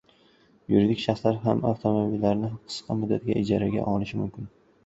Yuridik shaxslar ham avtomobillarni qisqa muddatga ijaraga olishi mumkin